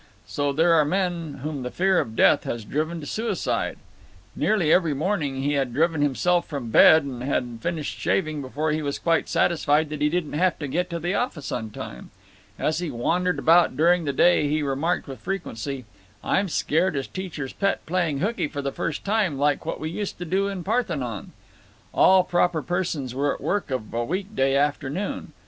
So there are men whom the fear of death has driven to suicide. Nearly every morning he had driven himself from bed and had finished shaving before he was quite satisfied that he didn't have to get to the office on time. As he wandered about during the day he remarked with frequency, "I'm scared as teacher's pet playing hookey for the first time, like what we used to do in Parthenon." All proper persons were at work of a week day afternoon.